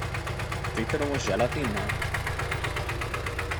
Citromos zselatinnal?